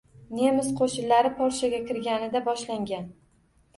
Nemis qo'shinlari Polshaga kirganida boshlangan.